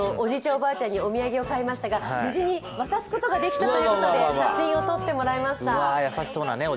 おばあちゃんにお土産を買いましたが無事に渡すことができたということで写真を撮ってもらいました。